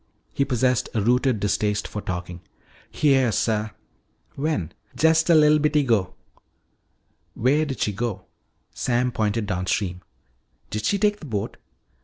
He possessed a rooted distaste for talking. "Heah, suh." "When?" "Jest a li'l bitty 'go." "Where did she go?" Sam pointed downstream. "Did she take the boat?"